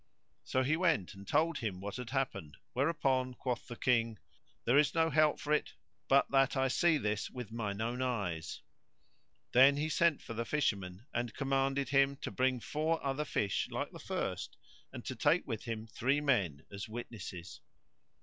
So he went and told him what had happened, where upon quoth the King, "There is no help for it but that I see this with mine own eyes." Then he sent for the Fisherman and commanded him to bring four other fish like the first and to take with him three men as witnesses.